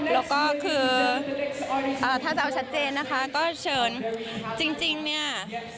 แล้วก็คือถ้าจะเอาชัดเจนนะคะก็เชิญจริงเนี่ย